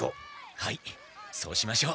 はいそうしましょう。